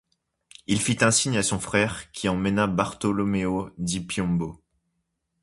Il fit un signe à son frère, qui emmena Bartholoméo di Piombo.